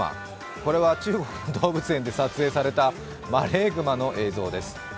これは中国の動物園で撮影されたマレーグマの映像です。